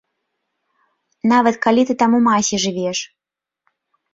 Нават калі ты там у масе жывеш!